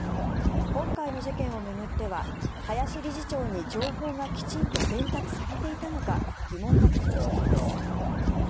今回の事件を巡っては林理事長に情報がきちんと伝達されていたのか疑問が浮上しています。